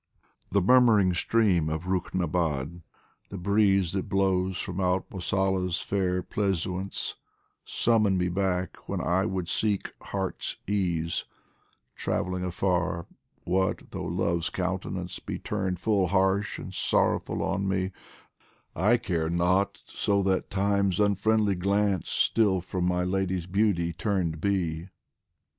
The murmuring stream of Ruknabad, the breeze That blows from out Mosalla's fair pleasaunce, Summon me back when I would seek heart's ease, Travelling afar ; what though Love's countenance Be turned full harsh and sorrowful on me, I care not so that Time's unfriendly glance Still from my Lady's beauty turned be.